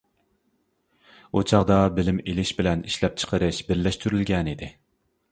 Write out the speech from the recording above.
ئۇ چاغدا بىلىم ئېلىش بىلەن ئىشلەپچىقىرىش بىرلەشتۈرۈلگەنىدى.